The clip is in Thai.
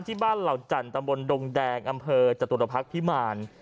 เหล่าจันทร์ตำบลดงแดงอำเภอจตุรพักษ์พิมาร